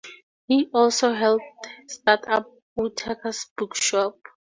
He also helped start up Ottakar's bookshop.